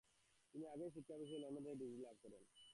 তিনি আগেই শিক্ষা বিষয়ে লন্ডন থেকে ডিগ্রি লাভ করেন।